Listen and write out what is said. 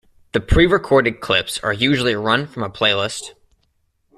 The pre-recorded clips are usually run from a playlist.